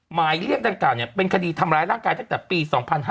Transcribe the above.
หมายเรียกต่างการเนี่ยเป็นคดีทำร้ายร่างกายตั้งแต่ปี๒๕๖๓